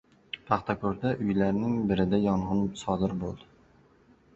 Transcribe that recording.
Paxtakorda uylarning birida yong‘in sodir bo‘ldi